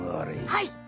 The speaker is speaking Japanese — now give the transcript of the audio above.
はい。